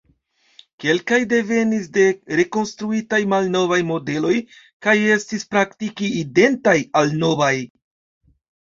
Kelkaj devenis de rekonstruitaj malnovaj modeloj kaj estis praktike identaj al novaj.